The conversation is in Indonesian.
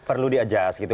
perlu di adjust gitu